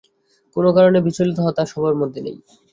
কোনো কারণে বিচলিত হওয়া তাঁর স্বভাবের মধ্যেই নেই।